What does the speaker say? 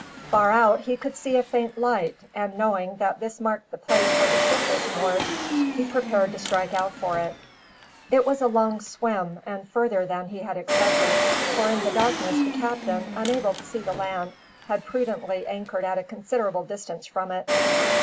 Far out he could see a faint light and, knowing that this marked the place where the ship was moored, he prepared to strike out for it. It was a long swim, and further than he had expected; for in the darkness the captain, unable to see the land, had prudently anchored at a considerable distance from it.